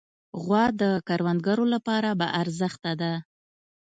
غوا د کروندګرو لپاره باارزښته ده.